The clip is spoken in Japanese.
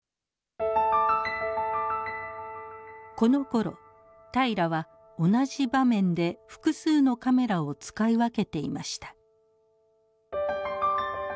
このころ平良は同じ場面で複数のカメラを使い分けていました。